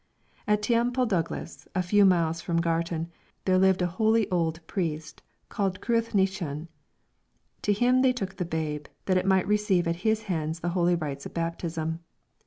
At Teampall Douglas, a few miles from Gartan, there lived a holy old priest called Cruithnechan; to him they took the babe that it might receive at his hands the holy rites of Baptism.